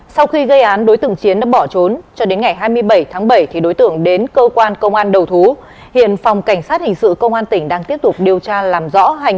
xin chào tất cả các bạn